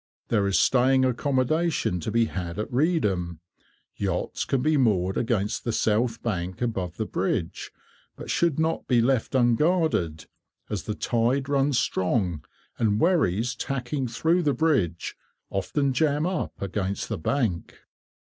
There is staying accommodation to be had at Reedham. Yachts can be moored against the south bank above the bridge, but should not be left unguarded, as the tide runs strong, and wherries tacking through the bridge often jam up against the bank.